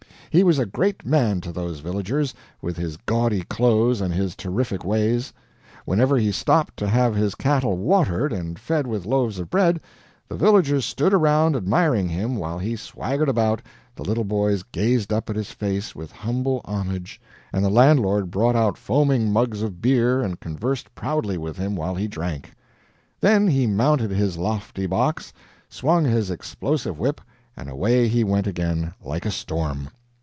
He was a great man to those villagers, with his gaudy clothes and his terrific ways. Whenever he stopped to have his cattle watered and fed with loaves of bread, the villagers stood around admiring him while he swaggered about, the little boys gazed up at his face with humble homage, and the landlord brought out foaming mugs of beer and conversed proudly with him while he drank. Then he mounted his lofty box, swung his explosive whip, and away he went again, like a storm.